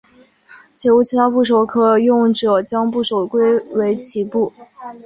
且无其他部首可用者将部首归为齐部。